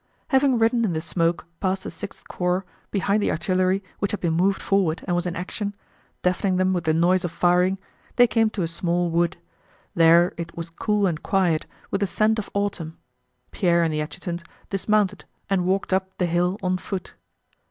Having ridden in the smoke past the Sixth Corps, behind the artillery which had been moved forward and was in action, deafening them with the noise of firing, they came to a small wood. There it was cool and quiet, with a scent of autumn. Pierre and the adjutant dismounted and walked up the hill on foot.